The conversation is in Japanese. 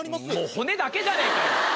骨だけじゃねえかよ！